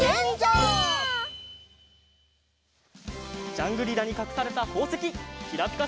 ジャングリラにかくされたほうせききらぴか